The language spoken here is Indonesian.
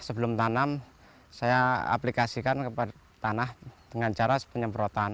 sebelum tanam saya aplikasikan kepada tanah dengan cara penyemprotan